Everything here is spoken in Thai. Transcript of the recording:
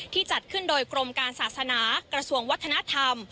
จัดขึ้นโดยกรมการศาสนากระทรวงวัฒนธรรม